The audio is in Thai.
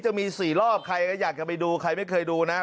จะมี๔รอบใครก็อยากจะไปดูใครไม่เคยดูนะ